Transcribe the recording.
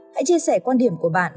hãy chia sẻ quan điểm của bạn